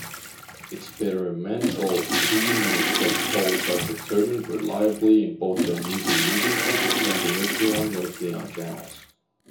Experimental P-matrix poles are determined reliably in both the meson-meson channels and nucleon-nucleon channels.